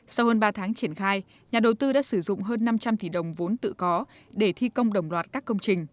sau hơn ba tháng triển khai nhà đầu tư đã sử dụng hơn năm trăm linh tỷ đồng vốn tự có để thi công đồng loạt các công trình